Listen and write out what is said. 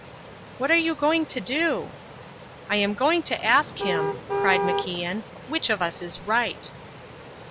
"What are you going to do?" "I am going to ask him," cried MacIan, "which of us is right."